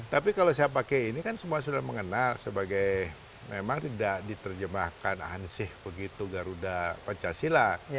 tapi kalau saya pakai ini kan semua sudah mengenal sebagai memang tidak diterjemahkan ansih begitu garuda pancasila